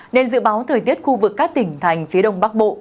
nên dự báo thời tiết khu vực các tỉnh thành phía đông bắc bộ